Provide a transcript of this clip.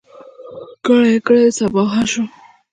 کړۍ، کړۍ صهبا شوم